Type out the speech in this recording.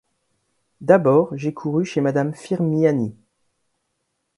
D’abord, j’ai couru chez madame Firmiani.